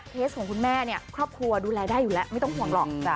ของคุณแม่เนี่ยครอบครัวดูแลได้อยู่แล้วไม่ต้องห่วงหรอก